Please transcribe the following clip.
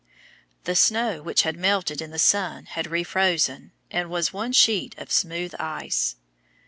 The snow which had melted in the sun had re frozen, and was one sheet of smooth ice.